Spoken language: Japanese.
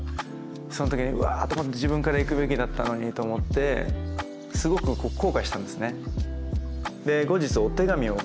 そのときにうわと思って自分から行くべきだったのにと思ってすごく後悔したんですね。